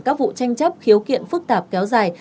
các vụ tranh chấp khiếu kiện phức tạp kéo dài